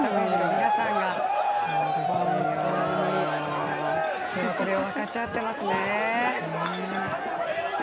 皆さんが本当に喜びを分かち合っていますね。